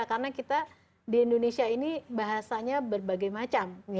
karena kita di indonesia ini bahasanya berbagai macam